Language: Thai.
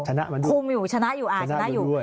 ชนะมันด้วยชนะมันด้วยชนะมันด้วยภูมิอยู่ชนะอยู่อาจชนะอยู่